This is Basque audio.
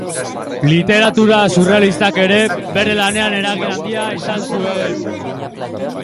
Literatura surrealistak ere bere lanean eragin handia izan zuen.